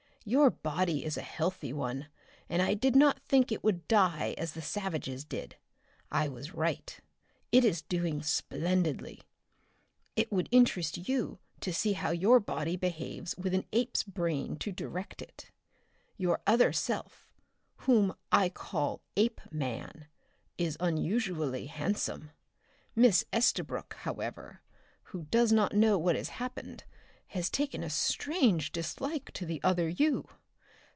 Your body is a healthy one and I did not think it would die as the savage's did. I was right. It is doing splendidly. It would interest you to see how your body behaves with an ape's brain to direct it. Your other self, whom I call Apeman, is unusually handsome. Miss Estabrook, however, who does not know what has happened, has taken a strange dislike to the other you!